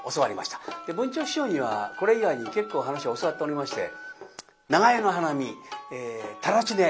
文朝師匠にはこれ以外に結構噺を教わっておりまして「長屋の花見」「たらちね」